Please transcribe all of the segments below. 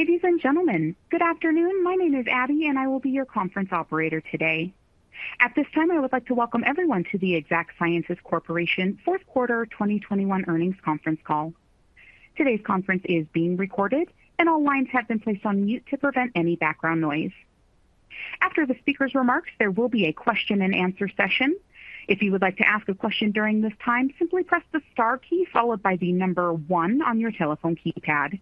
Ladies and gentlemen, good afternoon. My name is Abby, and I will be your conference operator today. At this time, I would like to welcome everyone to the Exact Sciences Corporation fourth quarter 2021 earnings conference call. Today's conference is being recorded, and all lines have been placed on mute to prevent any background noise. After the speaker's remarks, there will be a question-and-answer session. If you would like to ask a question during this time, simply press the star key followed by the number one on your telephone keypad.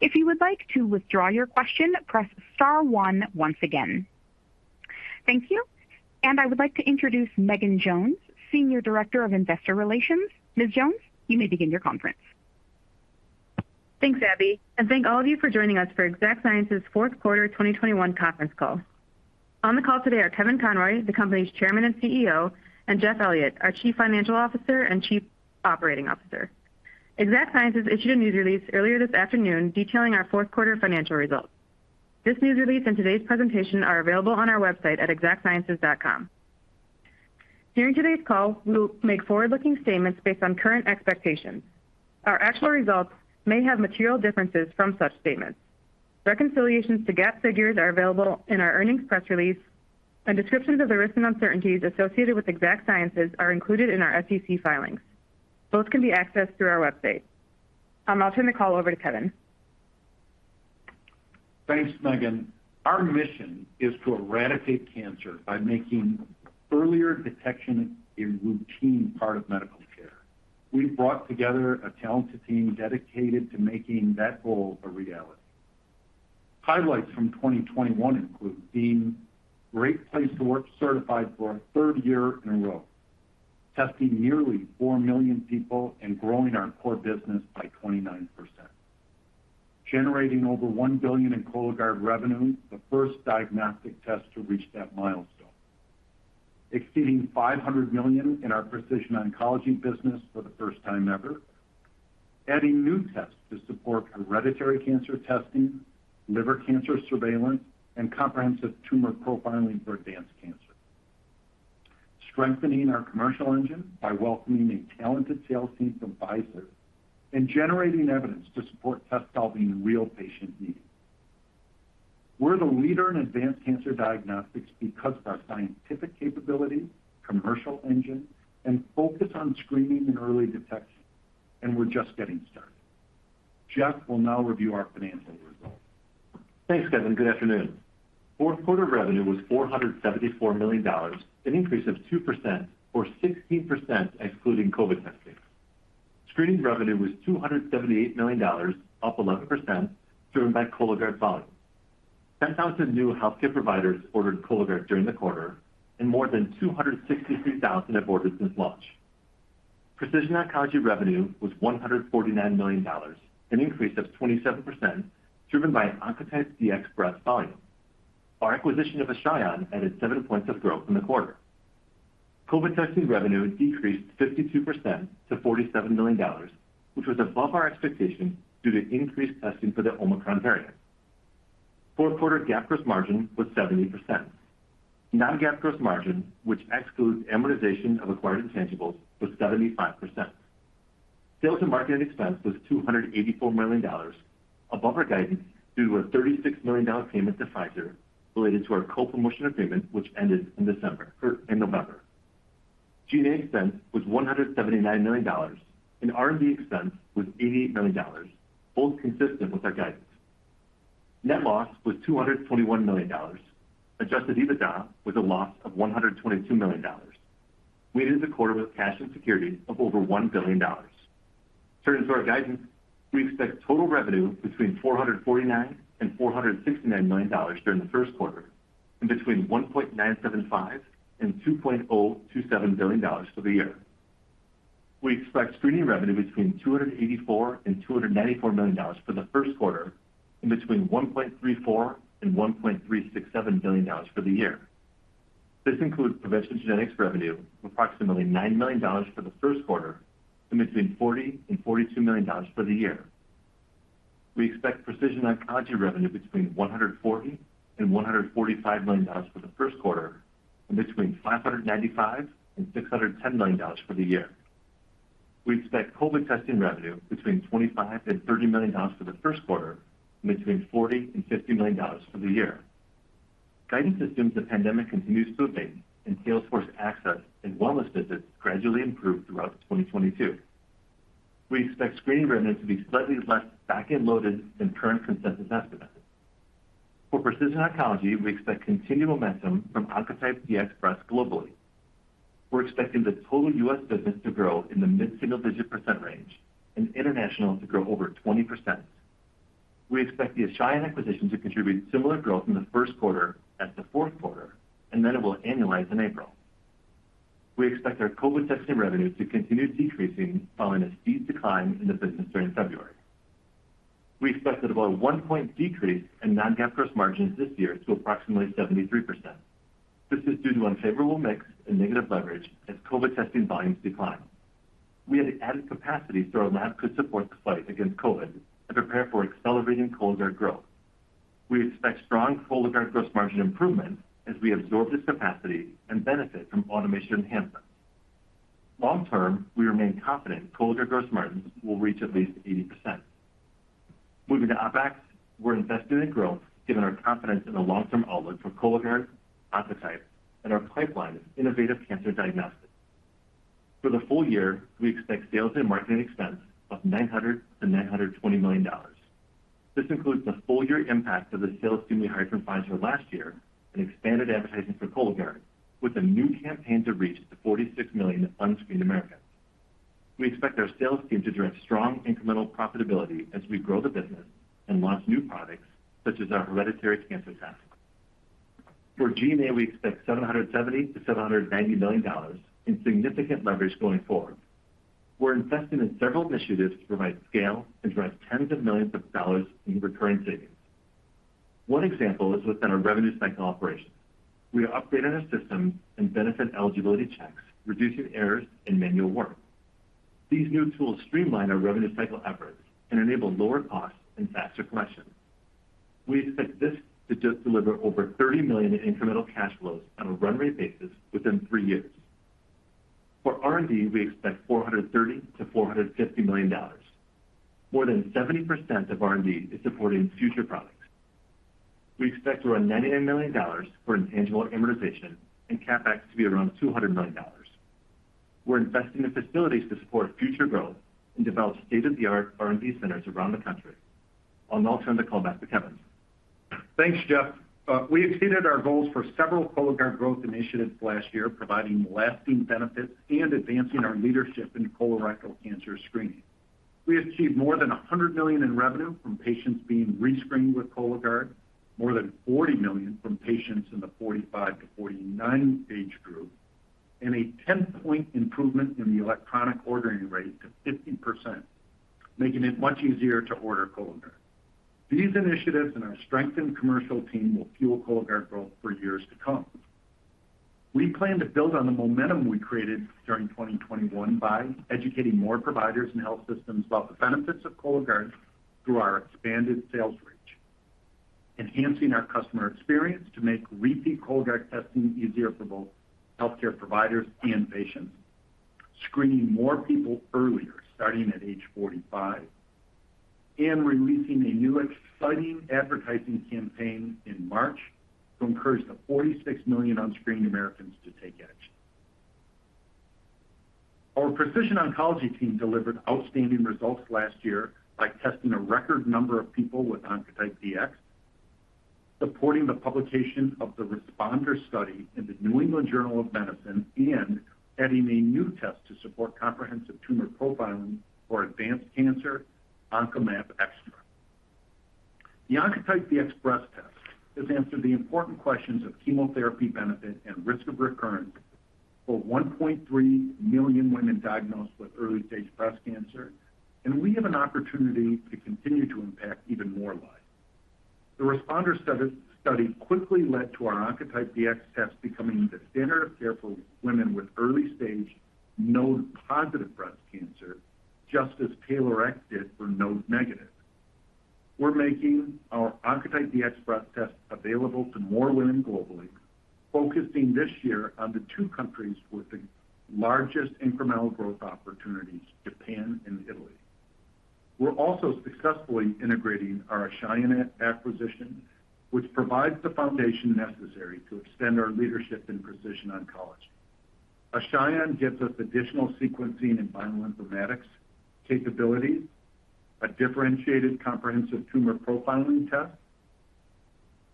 If you would like to withdraw your question, press star one once again. Thank you. I would like to introduce Megan Jones, Senior Director of Investor Relations. Ms. Jones, you may begin your conference. Thanks, Abby, and thank all of you for joining us for Exact Sciences fourth quarter 2021 conference call. On the call today are Kevin Conroy, the company's Chairman and CEO, and Jeff Elliott, our Chief Financial Officer and Chief Operating Officer. Exact Sciences issued a news release earlier this afternoon detailing our fourth quarter financial results. This news release and today's presentation are available on our website at exactsciences.com. During today's call, we'll make forward-looking statements based on current expectations. Our actual results may have material differences from such statements. Reconciliations to GAAP figures are available in our earnings press release, and descriptions of the risks and uncertainties associated with Exact Sciences are included in our SEC filings. Both can be accessed through our website. I'll turn the call over to Kevin. Thanks, Megan. Our mission is to eradicate cancer by making earlier detection a routine part of medical care. We've brought together a talented team dedicated to making that goal a reality. Highlights from 2021 include being Great Place to Work certified for a third year in a row. Testing nearly 4 million people and growing our core business by 29%. Generating over $1 billion in Cologuard revenue, the first diagnostic test to reach that milestone. Exceeding $500 million in our precision oncology business for the first time ever. Adding new tests to support hereditary cancer testing, liver cancer surveillance, and comprehensive tumor profiling for advanced cancer. Strengthening our commercial engine by welcoming a talented sales team from Pfizer, and generating evidence to support tests solving real patient needs. We're the leader in advanced cancer diagnostics because of our scientific capability, commercial engine, and focus on screening and early detection, and we're just getting started. Jeff will now review our financial results. Thanks, Kevin. Good afternoon. Fourth quarter revenue was $474 million, an increase of 2% or 16% excluding COVID testing. Screening revenue was $278 million, up 11% driven by Cologuard volume. 10,000 new healthcare providers ordered Cologuard during the quarter, and more than 263,000 have ordered since launch. Precision oncology revenue was $149 million, an increase of 27% driven by Oncotype DX Breast volume. Our acquisition of Ashion added 7 points of growth in the quarter. COVID testing revenue decreased 52% to $47 million, which was above our expectation due to increased testing for the Omicron variant. Fourth quarter GAAP gross margin was 70%. Non-GAAP gross margin, which excludes amortization of acquired intangibles, was 75%. Sales and marketing expense was $284 million above our guidance due to a $36 million payment to Pfizer related to our co-promotion agreement, which ended in November. G&A expense was $179 million, and R&D expense was $88 million, both consistent with our guidance. Net loss was $221 million. Adjusted EBITDA was a loss of $122 million. We ended the quarter with cash and securities of over $1 billion. Turning to our guidance, we expect total revenue between $449 million and $469 million during the first quarter, and between $1.975 billion and $2.027 billion for the year. We expect screening revenue between $284 million and $294 million for the first quarter, and between $1.34 billion and $1.367 billion for the year. This includes PreventionGenetics revenue of approximately $9 million for the first quarter and between $40 million and $42 million for the year. We expect precision oncology revenue between $140 million and $145 million for the first quarter and between $595 million and $610 million for the year. We expect COVID testing revenue between $25 million and $30 million for the first quarter and between $40 million and $50 million for the year. Guidance assumes the pandemic continues subsiding and sales force access and wellness visits gradually improve throughout 2022. We expect screening revenue to be slightly less back-end loaded than current consensus estimates. For precision oncology, we expect continued momentum from Oncotype DX Breast globally. We're expecting the total U.S. business to grow in the mid-single-digit % range and international to grow over 20%. We expect the Ashion acquisition to contribute similar growth in the first quarter as the fourth quarter, and then it will annualize in April. We expect our COVID testing revenue to continue decreasing following a steep decline in the business during February. We expect about a one-point decrease in Non-GAAP gross margins this year to approximately 73%. This is due to unfavorable mix and negative leverage as COVID testing volumes decline. We had added capacity so our lab could support the fight against COVID and prepare for accelerating Cologuard growth. We expect strong Cologuard gross margin improvement as we absorb this capacity and benefit from automation enhancements. Long term, we remain confident Cologuard gross margins will reach at least 80%. Moving to OpEx, we're investing in growth given our confidence in the long-term outlook for Cologuard, Oncotype, and our pipeline of innovative cancer diagnostics. For the full year, we expect sales and marketing expense of $900 million-$920 million. This includes the full year impact of the sales team we hired from Pfizer last year and expanded advertising for Cologuard, with a new campaign to reach the 46 million unscreened Americans. We expect our sales team to drive strong incremental profitability as we grow the business and launch new products, such as our hereditary cancer test. For G&A, we expect $770 million-$790 million in significant leverage going forward. We're investing in several initiatives to provide scale and drive tens of millions of dollars in recurring savings. One example is within our revenue cycle operations. We updated our systems and benefit eligibility checks, reducing errors and manual work. These new tools streamline our revenue cycle efforts and enable lower costs and faster collections. We expect this to just deliver over $30 million in incremental cash flows on a run-rate basis within three years. For R&D, we expect $430 million-$450 million. More than 70% of R&D is supporting future products. We expect around $99 million for intangible amortization and CapEx to be around $200 million. We're investing in facilities to support future growth and develop state-of-the-art R&D centers around the country. I'll now turn the call back to Kevin. Thanks, Jeff. We exceeded our goals for several Cologuard growth initiatives last year, providing lasting benefits and advancing our leadership in colorectal cancer screening. We achieved more than $100 million in revenue from patients being rescreened with Cologuard, more than $40 million from patients in the 45-49 age group, and a 10-point improvement in the electronic ordering rate to 50%, making it much easier to order Cologuard. These initiatives and our strengthened commercial team will fuel Cologuard growth for years to come. We plan to build on the momentum we created during 2021 by educating more providers and health systems about the benefits of Cologuard through our expanded sales reach, enhancing our customer experience to make repeat Cologuard testing easier for both healthcare providers and patients, screening more people earlier, starting at age 45. Releasing a new exciting advertising campaign in March to encourage the 46 million unscreened Americans to take action. Our precision oncology team delivered outstanding results last year by testing a record number of people with Oncotype DX, supporting the publication of the RxPONDER study in The New England Journal of Medicine, and adding a new test to support comprehensive tumor profiling for advanced cancer, OncoExTra. The Oncotype DX breast test has answered the important questions of chemotherapy benefit and risk of recurrence for 1.3 million women diagnosed with early-stage breast cancer, and we have an opportunity to continue to impact even more lives. The RxPONDER study quickly led to our Oncotype DX test becoming the standard of care for women with early-stage node-positive breast cancer, just as TAILORx did for node-negative. We're making our Oncotype DX Breast test available to more women globally, focusing this year on the two countries with the largest incremental growth opportunities, Japan and Italy. We're also successfully integrating our Achaogen acquisition, which provides the foundation necessary to extend our leadership in precision oncology. Achaogen gives us additional sequencing and bioinformatics capabilities, a differentiated comprehensive tumor profiling test,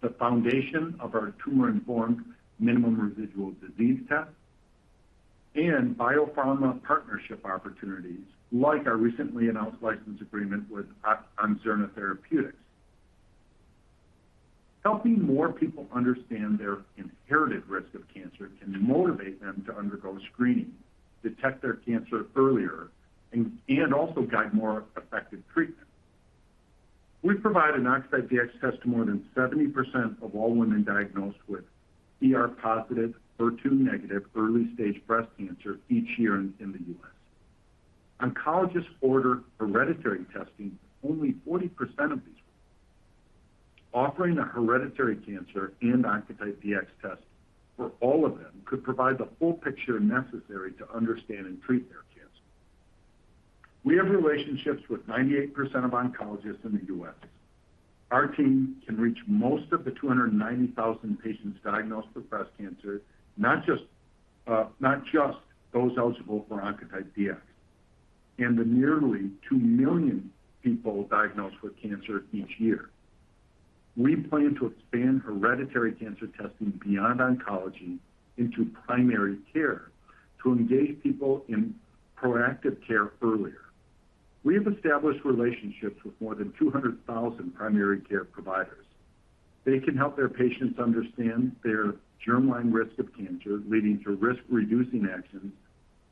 the foundation of our tumor-informed minimum residual disease test, and biopharma partnership opportunities, like our recently announced license agreement with OncXerna Therapeutics. Helping more people understand their inherited risk of cancer can motivate them to undergo screening, detect their cancer earlier, and also guide more effective treatment. We provide an Oncotype DX test to more than 70% of all women diagnosed with ER-positive, HER2-negative early-stage breast cancer each year in the U.S. Oncologists order hereditary testing for only 40% of these women. Offering a hereditary cancer and Oncotype DX test for all of them could provide the full picture necessary to understand and treat their cancer. We have relationships with 98% of oncologists in the U.S. Our team can reach most of the 290,000 patients diagnosed with breast cancer, not just those eligible for Oncotype DX, and the nearly 2 million people diagnosed with cancer each year. We plan to expand hereditary cancer testing beyond oncology into primary care to engage people in proactive care earlier. We have established relationships with more than 200,000 primary care providers. They can help their patients understand their germline risk of cancer, leading to risk-reducing actions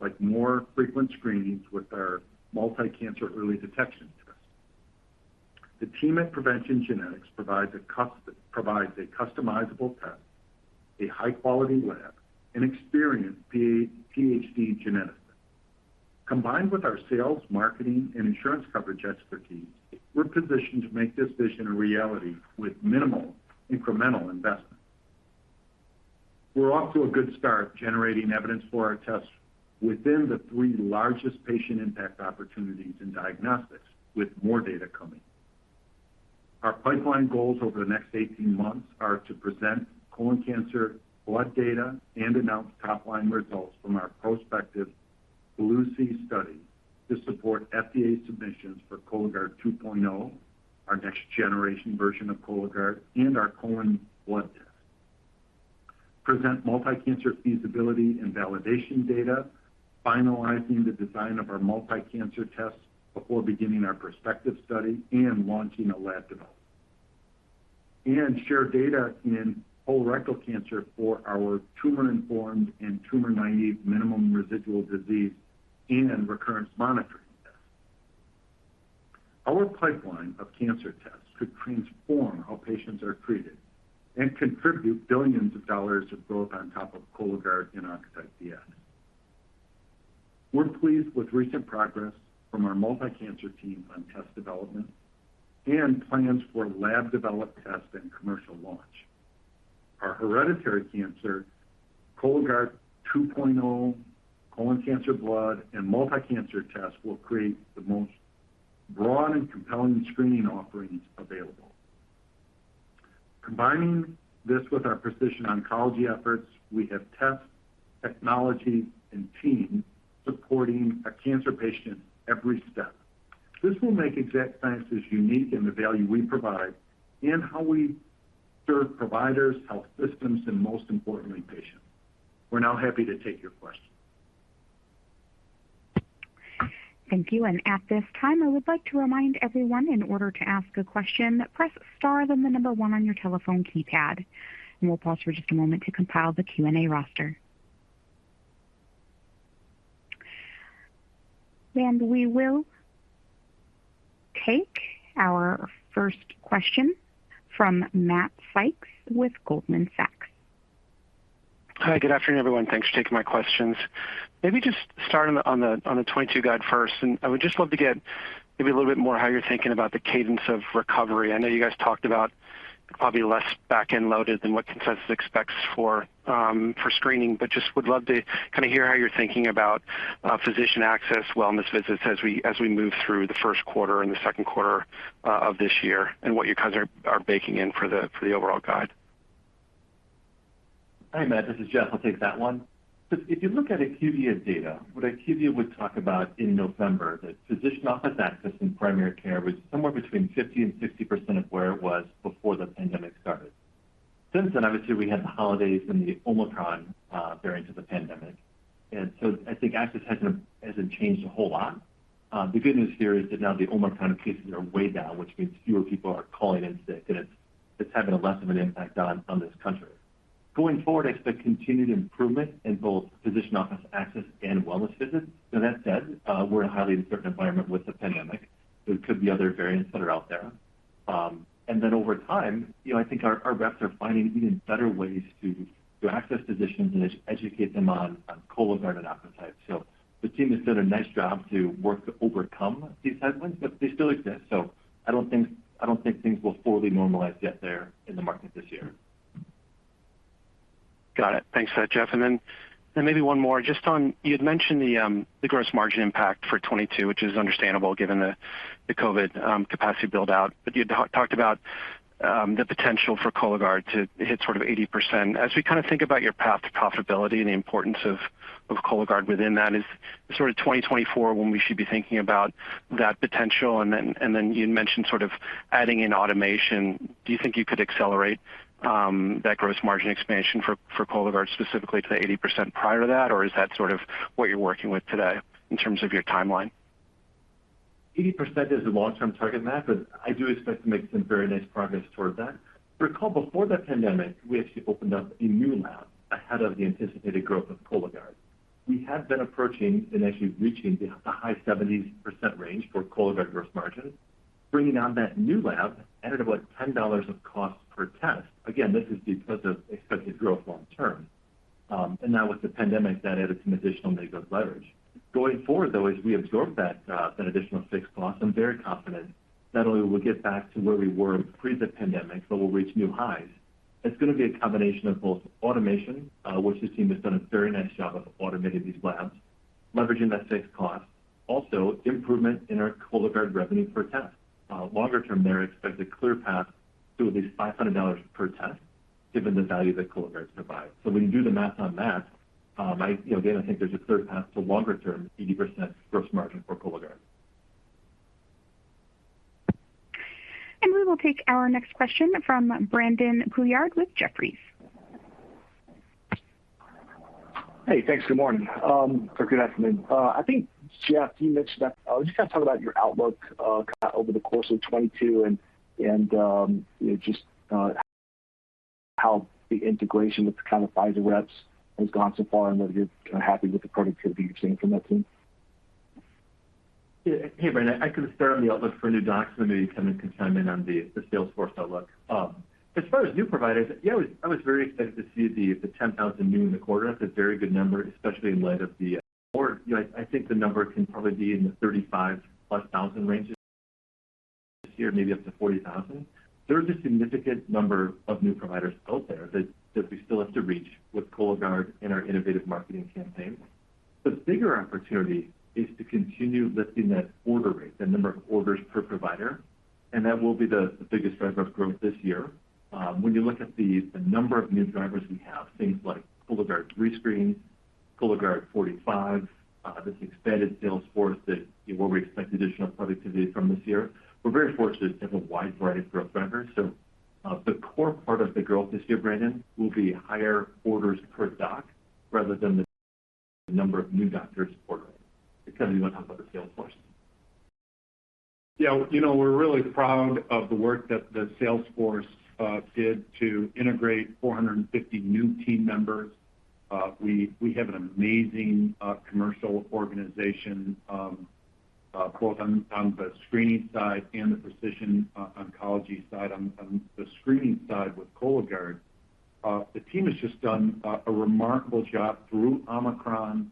like more frequent screenings with our multi-cancer early detection test. The team at PreventionGenetics provides a customizable test, a high-quality lab, and experienced PhD geneticists. Combined with our sales, marketing, and insurance coverage expertise, we're positioned to make this vision a reality with minimal incremental investment. We're off to a good start generating evidence for our tests within the three largest patient impact opportunities in diagnostics with more data coming. Our pipeline goals over the next 18 months are to present colon cancer blood data and announce top line results from our prospective BLUE-C study to support FDA submissions for Cologuard 2.0, our next generation version of Cologuard, and our colon blood test. Present multi-cancer feasibility and validation data, finalizing the design of our multi-cancer test before beginning our prospective study and launching ATLAS. Share data in colorectal cancer for our tumor-informed and tumor-naive minimum residual disease and recurrence monitoring test. Our pipeline of cancer tests could transform how patients are treated and contribute billions of dollars of growth on top of Cologuard and Oncotype DX. We're pleased with recent progress from our multi-cancer team on test development and plans for lab developed tests and commercial launch. Our hereditary cancer, Cologuard 2.0, colon cancer blood, and multi-cancer tests will create the most broad and compelling screening offerings available. Combining this with our precision oncology efforts, we have tests, technology, and team supporting a cancer patient every step. This will make Exact Sciences unique in the value we provide and how we serve providers, health systems, and most importantly, patients. We're now happy to take your questions. Thank you. At this time, I would like to remind everyone in order to ask a question, press star, then the number one on your telephone keypad, and we'll pause for just a moment to compile the Q&A roster. We will take our first question from Matt Sykes with Goldman Sachs. Hi. Good afternoon, everyone. Thanks for taking my questions. Maybe just start on the 2022 guide first, and I would just love to get maybe a little bit more how you're thinking about the cadence of recovery. I know you guys talked about probably less back-end loaded than what consensus expects for screening, but just would love to kinda hear how you're thinking about physician access wellness visits as we move through the first quarter and the second quarter of this year and what you guys are baking in for the overall guide. Hi, Matt. This is Jeff. I'll take that one. If you look at IQVIA data, what IQVIA would talk about in November, that physician office access in primary care was somewhere between 50%-60% of where it was before the pandemic started. Since then, obviously, we had the holidays and the Omicron variant of the pandemic. I think access hasn't changed a whole lot. The good news here is that now the Omicron cases are way down, which means fewer people are calling in sick, and it's having less of an impact on this country. Going forward, I expect continued improvement in both physician office access and wellness visits. That said, we're in a highly uncertain environment with the pandemic. There could be other variants that are out there. Over time, you know, I think our reps are finding even better ways to access physicians and educate them on Cologuard and Oncotype. The team has done a nice job to work to overcome these headwinds, but they still exist. I don't think things will fully normalize yet there in the market this year. Got it. Thanks for that, Jeff. Maybe one more just on. You had mentioned the gross margin impact for 2022, which is understandable given the COVID capacity build-out. You had talked about the potential for Cologuard to hit sort of 80%. As we kinda think about your path to profitability and the importance of Cologuard within that, is sort of 2024 when we should be thinking about that potential? You mentioned sort of adding in automation. Do you think you could accelerate that gross margin expansion for Cologuard specifically to the 80% prior to that? Or is that sort of what you're working with today in terms of your timeline? 80% is a long-term target, Matt, but I do expect to make some very nice progress toward that. Recall before the pandemic, we actually opened up a new lab ahead of the anticipated growth of Cologuard. We have been approaching and actually reaching the high 70s% range for Cologuard gross margins. Bringing on that new lab added about $10 of cost per test. Again, this is because of expected growth long term. Now with the pandemic, that added some additional negative leverage. Going forward, though, as we absorb that additional fixed cost, I'm very confident not only will we get back to where we were pre the pandemic, but we'll reach new highs. It's gonna be a combination of both automation, which this team has done a very nice job of automating these labs, leveraging that fixed cost. Improvement in our Cologuard revenue per test. Longer term there, I expect a clear path to at least $500 per test given the value that Cologuard provides. When you do the math on that, you know, again, I think there's a clear path to longer term 80% gross margin for Cologuard. We will take our next question from Brandon Couillard with Jefferies. Hey, thanks. Good morning or good afternoon. I think, Jeff, you mentioned that I was just gonna talk about your outlook kinda over the course of 2022 and you know just how the integration with the kind of Pfizer reps has gone so far and whether you're kinda happy with the productivity you're seeing from that team. Yeah. Hey, Brandon. I can start on the outlook for new docs, and then maybe Tim can chime in on the sales force outlook. As far as new providers, yeah, I was very excited to see the 10,000 new in the quarter. That's a very good number, especially in light of the. You know, I think the number can probably be in the 35,000+ range this year, maybe up to 40,000. There's a significant number of new providers out there that we still have to reach with Cologuard in our innovative marketing campaign. The bigger opportunity is to continue lifting that order rate, the number of orders per provider, and that will be the biggest driver of growth this year. When you look at the number of new drivers we have, things like Cologuard Rescreen, Cologuard 45, this expanded sales force that, you know, where we expect additional productivity from this year. We're very fortunate to have a wide variety of growth drivers. The core part of the growth this year, Brandon, will be higher orders per doc rather than the number of new doctors ordering. Kevin, do you want to talk about the sales force? Yeah. You know, we're really proud of the work that the sales force did to integrate 450 new team members. We have an amazing commercial organization both on the screening side and the precision oncology side. On the screening side with Cologuard, the team has just done a remarkable job through Omicron,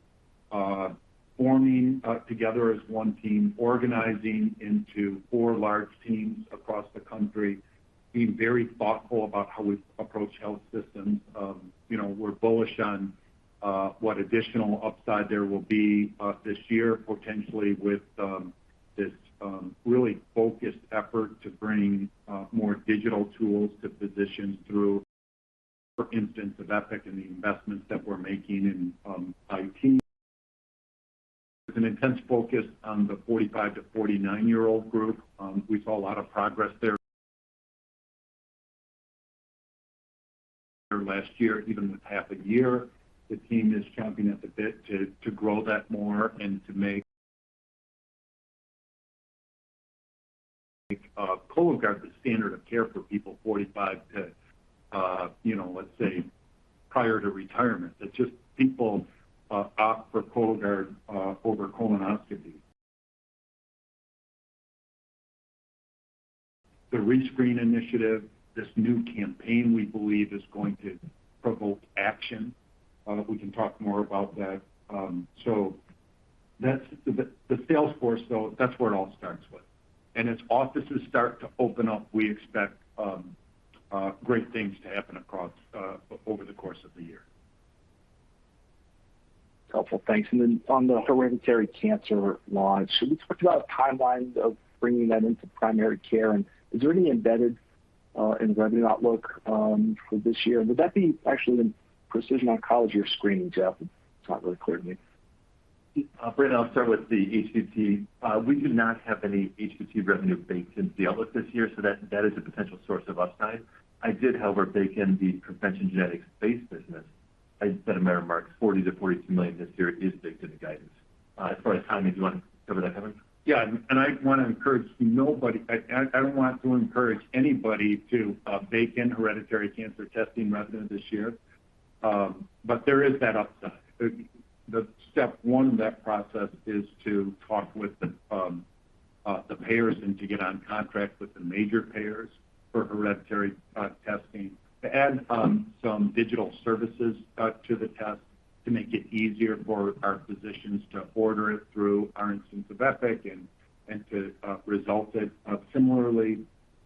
forming together as one team, organizing into four large teams across the country, being very thoughtful about how we approach health systems. You know, we're bullish on what additional upside there will be this year, potentially with this really focused effort to bring more digital tools to physicians through for instance, Epic and the investments that we're making in IT. With an intense focus on the 45-49-year-old group, we saw a lot of progress there last year, even with half a year. The team is champing at the bit to grow that more and to make Cologuard the standard of care for people 45 to, you know, let's say, prior to retirement. That just people opt for Cologuard over colonoscopy. The Rescreen initiative, this new campaign we believe is going to provoke action. We can talk more about that. That's the sales force, though, that's where it all starts with. As offices start to open up, we expect great things to happen across over the course of the year. Helpful. Thanks. Then on the hereditary cancer launch, can we talk about timelines of bringing that into primary care? Is there any embedded in revenue outlook for this year? Would that be actually in precision oncology or screening, Jeff? It's not really clear to me. Brandon, I'll start with the HCT. We do not have any HCT revenue baked into the outlook this year, so that is a potential source of upside. I did, however, bake in the PreventionGenetics base business. I said in my remarks, $40 million-$42 million this year is baked in the guidance. As far as timing, do you want to cover that, Kevin? I don't want to encourage anybody to bake in hereditary cancer testing revenue this year. There is that upside. The step one of that process is to talk with the payers and to get on contract with the major payers for hereditary testing, to add some digital services to the test to make it easier for our physicians to order it through our instance of Epic and to result it similarly,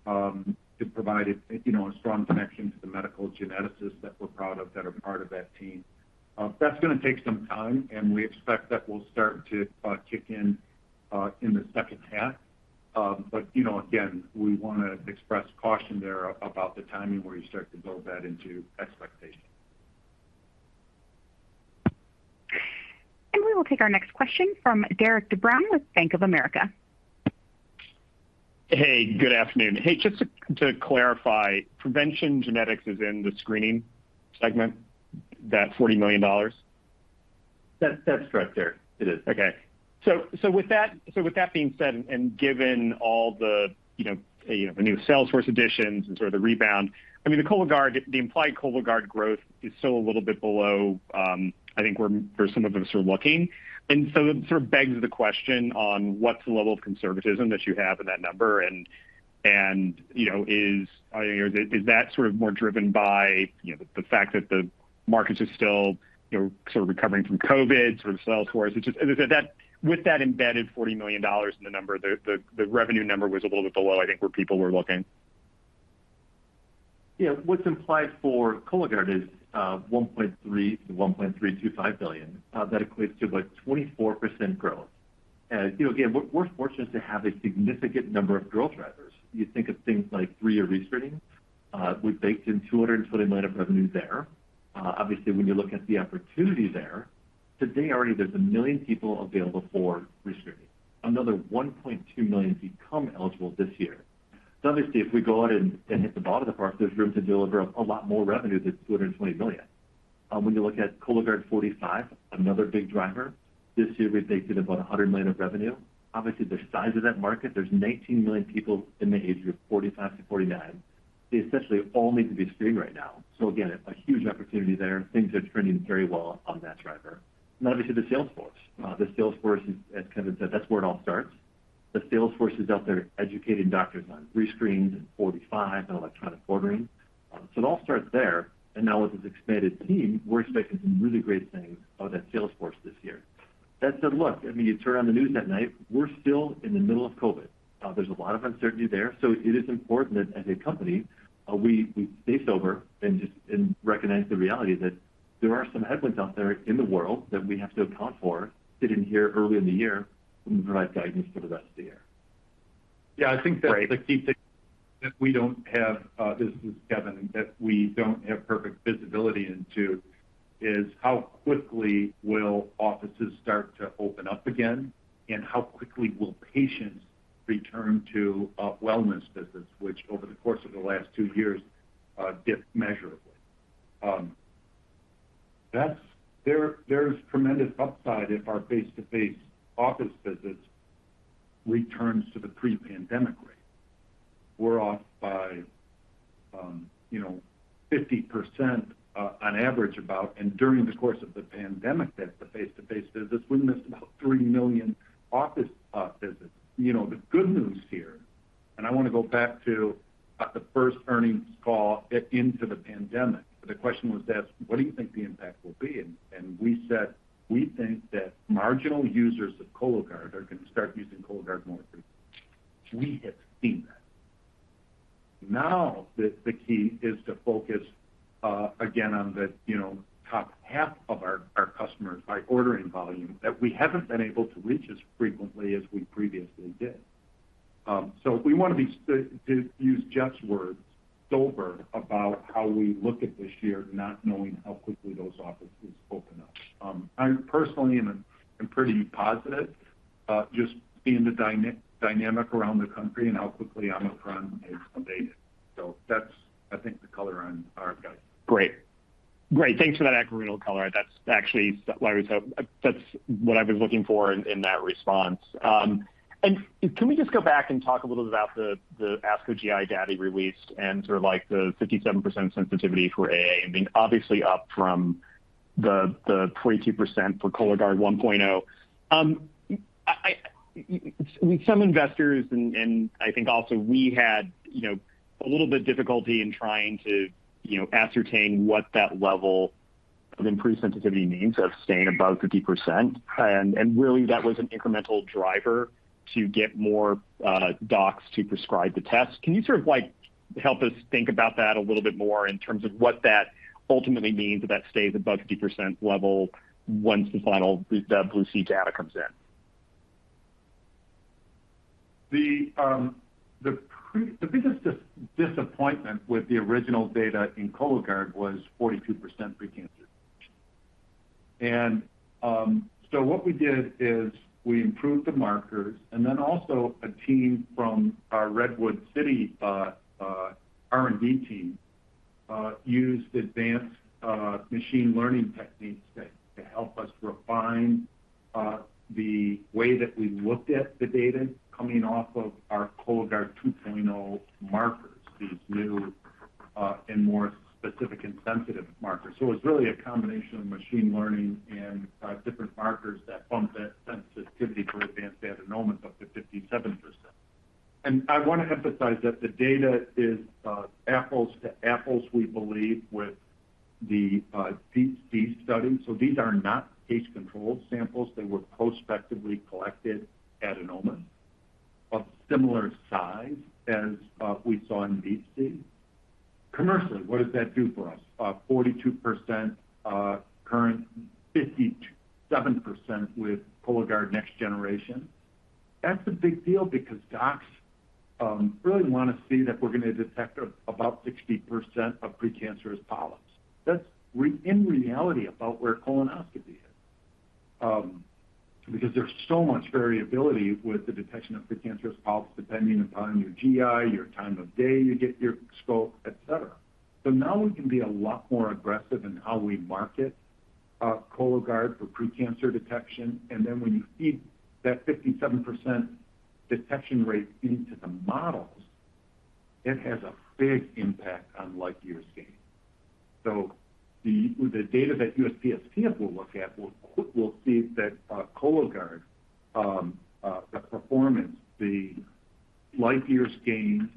to provide, you know, a strong connection to the medical geneticists that we're proud of that are part of that team. That's going to take some time, and we expect that will start to kick in in the second half. You know, again, we want to express caution there about the timing, where you start to build that into expectations. We will take our next question from Derik de Bruin with Bank of America. Hey, good afternoon. Hey, just to clarify, PreventionGenetics is in the Screening segment, that $40 million? That's correct there. It is. Okay. With that being said, and given all the you know, the new sales force additions and sort of the rebound, I mean, the Cologuard, the implied Cologuard growth is still a little bit below, I think where some of us are looking. It sort of begs the question on what's the level of conservatism that you have in that number? You know, is that sort of more driven by, you know, the fact that the markets are still, you know, sort of recovering from COVID, sort of the sales force? With that embedded $40 million in the number, the revenue number was a little bit below, I think, where people were looking. Yeah. What's implied for Cologuard is $1.3 billion-$1.325 billion. That equates to about 24% growth. You know, again, we're fortunate to have a significant number of growth drivers. You think of things like three-year rescreening. We baked in $220 million of revenue there. Obviously, when you look at the opportunity there, today already there's 1 million people available for rescreening. Another 1.2 million become eligible this year. Obviously, if we go out and hit the ball out of the park, there's room to deliver a lot more revenue than $220 million. When you look at Cologuard 45, another big driver, this year we've baked in about $100 million of revenue. Obviously, the size of that market, there's 19 million people in the age of 45-49. They essentially all need to be screened right now. Again, a huge opportunity there. Things are trending very well on that driver. Obviously, the sales force is, as Kevin said, that's where it all starts. The sales force is out there educating doctors on rescreening and 45 and electronic ordering. It all starts there. Now with this expanded team, we're expecting some really great things out of that sales force this year. That said, look, I mean, you turn on the news at night, we're still in the middle of COVID. There's a lot of uncertainty there. It is important that as a company, we stay sober and recognize the reality that there are some headwinds out there in the world that we have to account for, as we sit here early in the year, and provide guidance for the rest of the year. Yeah, I think that's a key thing that we don't have. This is Kevin. That we don't have perfect visibility into is how quickly will offices start to open up again, and how quickly will patients return to wellness visits, which over the course of the last two years dipped measurably. There's tremendous upside if our face-to-face office visits returns to the pre-pandemic rate. We're off by, you know, 50%, on average about. During the course of the pandemic, that's the face-to-face visits, we missed about 3 million office visits. You know, the good news here, and I wanna go back to, like, the first earnings call into the pandemic. The question was asked, "What do you think the impact will be?" We said, "We think that marginal users of Cologuard are gonna start using Cologuard more frequently." We have seen that. Now, the key is to focus, again on the, you know, top half of our customers by ordering volume that we haven't been able to reach as frequently as we previously did. We wanna be, to use Jeff's words, sober about how we look at this year, not knowing how quickly those offices open up. I personally am pretty positive, just seeing the dynamic around the country and how quickly Omicron is abated. That's, I think, the color on our guidance. Great. Thanks for that anecdotal color. That's actually what I've been looking for in that response. Can we just go back and talk a little bit about the ASCO GI data you released and sort of like the 57% sensitivity for AA and being obviously up from the 22% for Cologuard 1.0. With some investors and I think also we had you know a little bit difficulty in trying to you know ascertain what that level of improved sensitivity means of staying above 50%. Really that was an incremental driver to get more docs to prescribe the test. Can you sort of, like, help us think about that a little bit more in terms of what that ultimately means if that stays above 50% level once the final BLUE-C data comes in? The biggest disappointment with the original data in Cologuard was 42% precancerous. What we did is we improved the markers, and then also a team from our Redwood City R&D team used advanced machine learning techniques to help us refine the way that we looked at the data coming off of our Cologuard 2.0 markers, these new and more specific and sensitive markers. It's really a combination of machine learning and different markers that bumped that sensitivity for advanced adenomas up to 57%. I wanna emphasize that the data is apples to apples, we believe, with the DeeP-C study. These are not case-controlled samples. They were prospectively collected adenomas of similar size as we saw in DeeP-C. Commercially, what does that do for us? 42% current 57% with Cologuard next generation. That's a big deal because docs really wanna see that we're gonna detect about 60% of precancerous polyps. That's in reality about where colonoscopy is because there's so much variability with the detection of precancerous polyps depending upon your GI, your time of day you get your scope, et cetera. Now we can be a lot more aggressive in how we market Cologuard for precancer detection. Then when you feed that 57% detection rate into the models, it has a big impact on life years gained. The data that USPSTF will look at will see that Cologuard the performance, the life years gained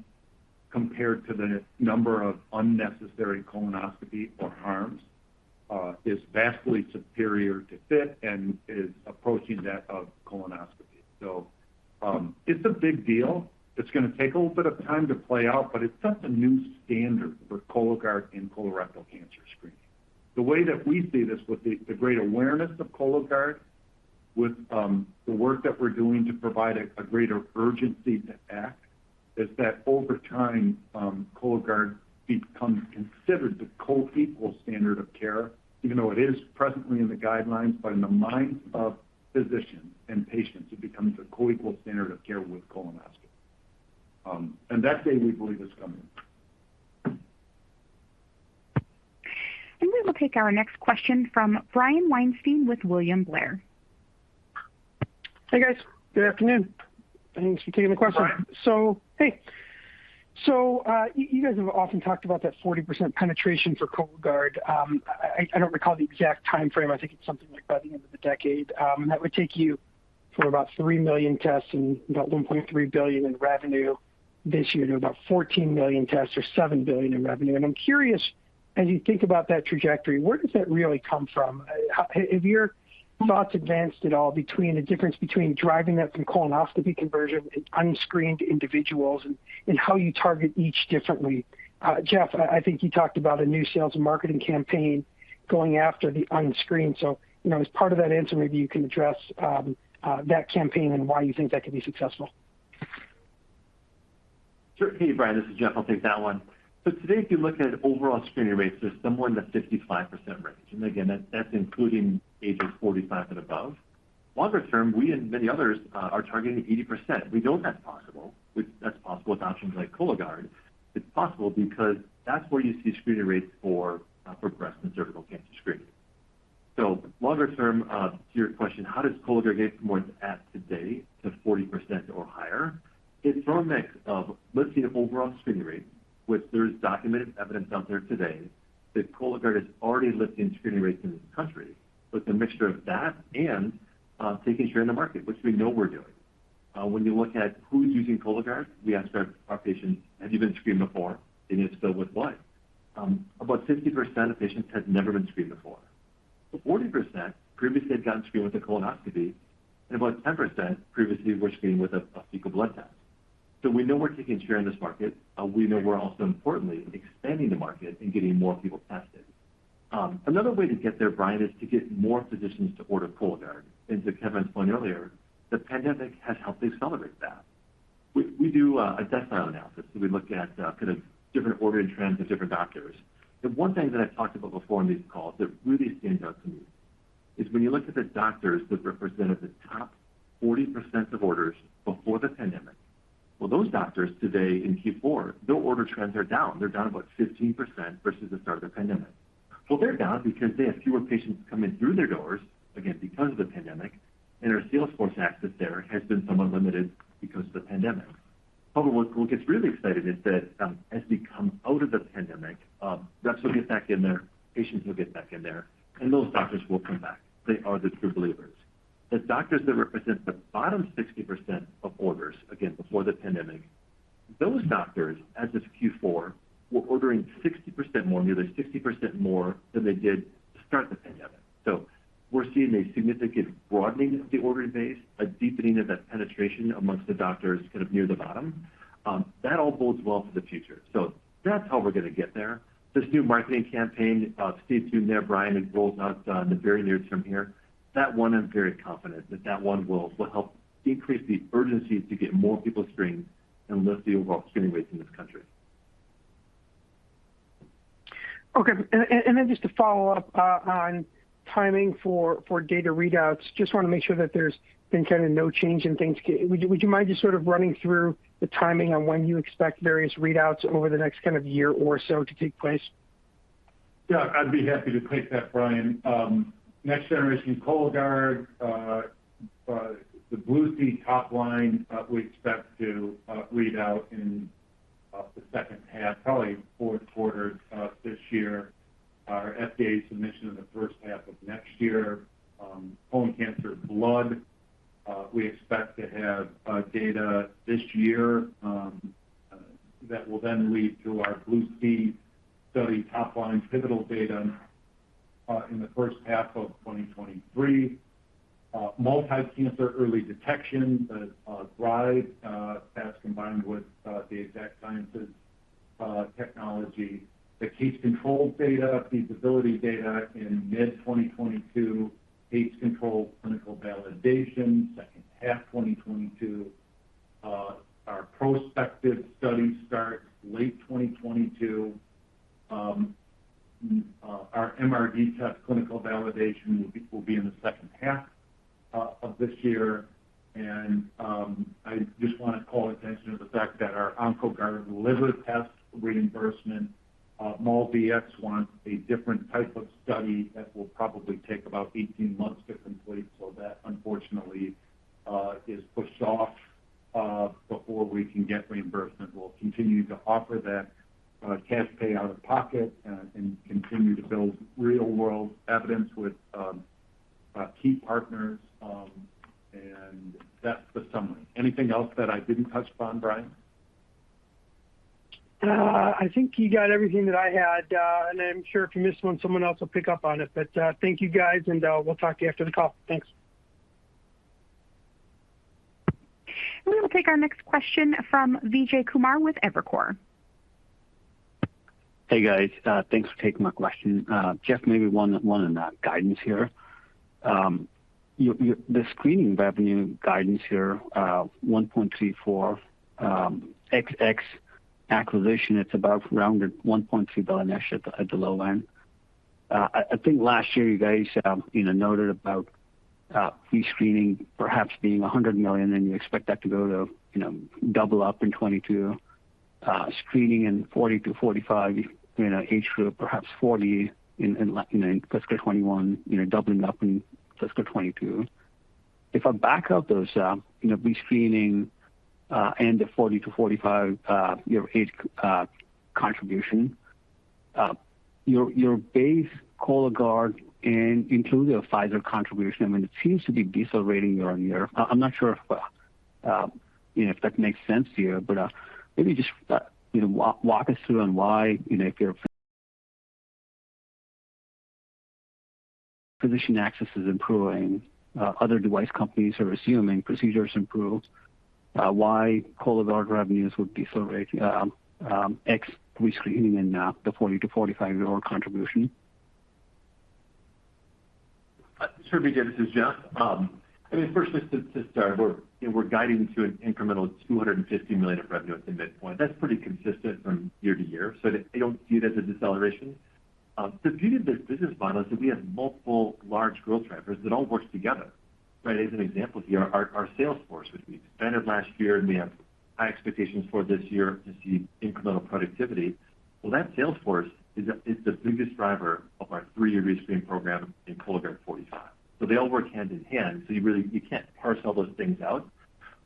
compared to the number of unnecessary colonoscopy or harms is vastly superior to FIT and is approaching that of colonoscopy. It's a big deal. It's gonna take a little bit of time to play out, but it sets a new standard for Cologuard in colorectal cancer screening. The way that we see this with the great awareness of Cologuard, with the work that we're doing to provide a greater urgency to act, is that over time, Cologuard becomes considered the co-equal standard of care, even though it is presently in the guidelines, but in the minds of physicians and patients, it becomes a co-equal standard of care with colonoscopy. That day, we believe, is coming. We will take our next question from Brian Weinstein with William Blair. Hey, guys. Good afternoon. Thanks for taking the question. Hi. Hey. You guys have often talked about that 40% penetration for Cologuard. I don't recall the exact timeframe. I think it's something like by the end of the decade. That would take you For about 3 million tests and about $1.3 billion in revenue this year to about 14 million tests or $7 billion in revenue. I'm curious, as you think about that trajectory, where does that really come from? Have your thoughts advanced at all between the difference between driving that from colonoscopy conversion and unscreened individuals and how you target each differently? Jeff, I think you talked about a new sales and marketing campaign going after the unscreened. You know, as part of that answer, maybe you can address that campaign and why you think that could be successful. Sure. Hey, Brian, this is Jeff. I'll take that one. Today, if you look at overall screening rates, they're somewhere in the 55% range. Again, that's including ages 45 and above. Longer term, we and many others are targeting 80%. We know that's possible. That's possible with options like Cologuard. It's possible because that's where you see screening rates for for breast and cervical cancer screening. Longer term, to your question, how does Cologuard get from where it's at today to 40% or higher? It's from a mix of lifting the overall screening rate, which there is documented evidence out there today that Cologuard is already lifting screening rates in this country, with a mixture of that and taking share in the market, which we know we're doing. When you look at who's using Cologuard, we ask our patients, "Have you been screened before? And if so, with what?" About 50% of patients had never been screened before. Forty percent previously had gotten screened with a colonoscopy, and about 10% previously were screened with a fecal blood test. We know we're taking share in this market. We know we're also importantly expanding the market and getting more people tested. Another way to get there, Brian, is to get more physicians to order Cologuard. To Kevin's point earlier, the pandemic has helped accelerate that. We do a decile analysis, so we look at kind of different ordering trends of different doctors. The one thing that I've talked about before on these calls that really stands out to me is when you look at the doctors that represented the top 40% of orders before the pandemic. Well, those doctors today in Q4, their order trends are down. They're down about 15% versus the start of the pandemic. Well, they're down because they have fewer patients coming through their doors, again, because of the pandemic, and our sales force access there has been somewhat limited because of the pandemic. However, what gets really exciting is that, as we come out of the pandemic, reps will get back in there, patients will get back in there, and those doctors will come back. They are the true believers. The doctors that represent the bottom 60% of orders, again, before the pandemic, those doctors, as of Q4, were ordering 60% more, nearly 60% more than they did to start the pandemic. We're seeing a significant broadening of the ordering base, a deepening of that penetration amongst the doctors kind of near the bottom. That all bodes well for the future. That's how we're gonna get there. This new marketing campaign, Steve's doing there, Brian, it rolls out in the very near term here. That one I'm very confident that that one will help increase the urgency to get more people screened and lift the overall screening rates in this country. Okay. Just to follow up on timing for data readouts, just wanna make sure that there's been kind of no change in things. Would you mind just sort of running through the timing on when you expect various readouts over the next kind of year or so to take place? Yeah, I'd be happy to take that, Brian. Next-generation Cologuard, the BLUE-C top-line, we expect to read out in the second half, probably fourth quarter, this year. Our FDA submission in the first half of next year. Colon cancer blood, we expect to have data this year, that will then lead to our BLUE-C study top-line pivotal data, in the first half of 2023. Multi-cancer early detection, the Thrive test combined with the Exact Sciences technology. The case-control data, feasibility data in mid-2022. Case-control clinical validation second half 2022. Our prospective study starts late 2022. Our MRD test clinical validation will be in the second half of this year. I just wanna call attention to the fact that our Oncoguard Liver test reimbursement, MolDX wants a different type of study that will probably take about 18 months to complete, so that unfortunately is pushed off before we can get reimbursement. We'll continue to offer that, cash pay out of pocket and continue to build real-world evidence with key partners. That's the summary. Anything else that I didn't touch upon, Brian? I think you got everything that I had. I'm sure if you missed one, someone else will pick up on it. Thank you guys, and we'll talk to you after the call. Thanks. We will take our next question from Vijay Kumar with Evercore. Hey, guys. Thanks for taking my question. Jeff, maybe one on guidance here. Your screening revenue guidance here, $1.34 ex acquisition, it's about rounded $1.2 billion-ish at the low end. I think last year you guys, you know, noted about free screening perhaps being $100 million, and you expect that to go to, you know, double up in 2022. Screening in 40-45, you know, age group, perhaps $40 million in fiscal 2021, you know, doubling up in fiscal 2022. If I back out those, you know, free screening and the 40-45, you know, age contribution. Your base Cologuard included a Pfizer contribution. I mean, it seems to be decelerating year-over-year. I'm not sure if you know, if that makes sense to you, but maybe just you know walk us through on why you know if your physician access is improving, other device companies are assuming procedures improved, why Cologuard revenues would decelerate ex-rescreening and the 40- to 45-year-old contribution. Sure, Vijay. This is Jeff. I mean, firstly, to start, we're, you know, we're guiding to an incremental $250 million of revenue at the midpoint. That's pretty consistent from year to year, so I don't see it as a deceleration. The beauty of this business model is that we have multiple large growth drivers that all works together, right? As an example here, our sales force, which we expanded last year, and we have high expectations for this year to see incremental productivity. Well, that sales force is the biggest driver of our three-year rescreening program in Cologuard 45. So they all work hand in hand, so you really can't parse all those things out.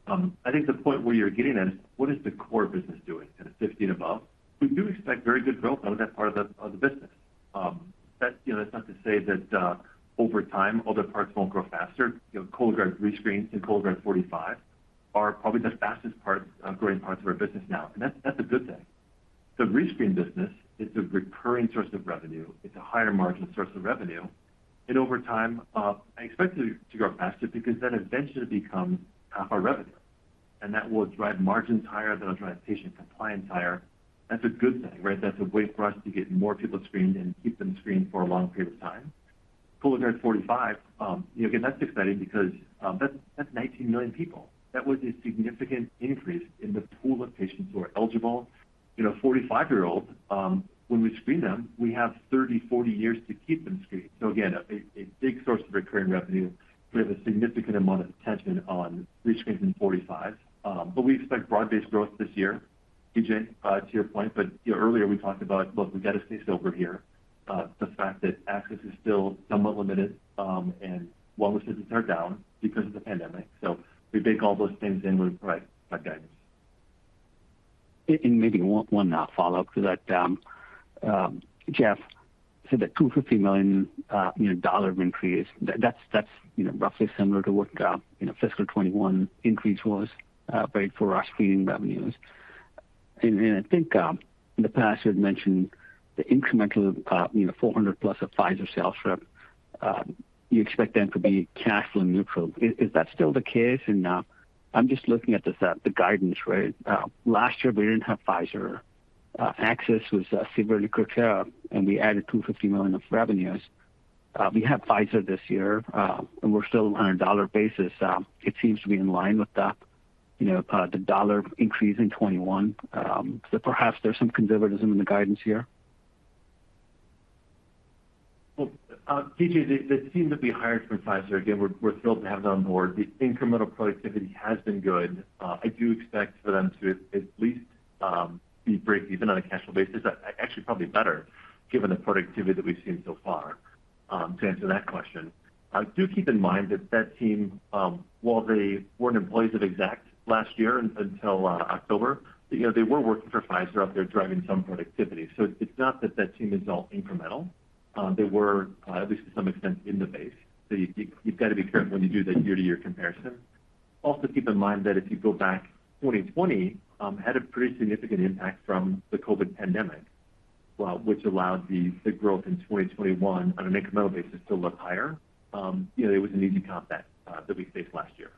I think the point where you're getting at is what is the core business doing at 15 above? We do expect very good growth out of that part of the business. That's, you know, not to say that over time, other parts won't grow faster. You know, Cologuard Rescreen and Cologuard 45 are probably the fastest growing parts of our business now, and that's a good thing. The rescreen business is a recurring source of revenue. It's a higher margin source of revenue. Over time, I expect it to grow faster because that eventually becomes half our revenue. That will drive margins higher. That'll drive patient compliance higher. That's a good thing, right? That's a way for us to get more people screened and keep them screened for a long period of time. Cologuard 45, you know, again, that's exciting because that's 19 million people. That was a significant increase in the pool of patients who are eligible. You know, 45-year-olds, when we screen them, we have 30, 40 years to keep them screened. Again, a big source of recurring revenue. We have a significant amount of attention on rescreening 45s. We expect broad-based growth this year, Vijay, to your point. You know, earlier we talked about, look, we've got to see silver here. The fact that access is still somewhat limited, and wellness visits are down because of the pandemic. We bake all those things in, right, with our guidance. Maybe one follow-up to that. Jeff said that $250 million of increase. That's roughly similar to what fiscal 2021 increase was, right, for our screening revenues. I think in the past you had mentioned the incremental 400-plus Pfizer sales reps you expect them to be cash flow neutral. Is that still the case? I'm just looking at the guidance, right? Last year we didn't have Pfizer. Access was severely curtailed, and we added $250 million of revenues. We have Pfizer this year, and we're still on a dollar basis. It seems to be in line with the dollar increase in 2021. Perhaps there's some conservatism in the guidance here. Well, Vijay, the team that we hired from Pfizer, again, we're thrilled to have them on board. The incremental productivity has been good. I do expect for them to at least be break even on a cash flow basis. Actually, probably better given the productivity that we've seen so far, to answer that question. Do keep in mind that team, while they weren't employees of Exact last year until October, you know, they were working for Pfizer out there driving some productivity. So it's not that team is all incremental. They were at least to some extent in the base. So you've got to be careful when you do the year-to-year comparison. Also, keep in mind that if you go back, 2020 had a pretty significant impact from the COVID pandemic, well, which allowed the growth in 2021 on an incremental basis to look higher. You know, it was an easy comp that we faced last year.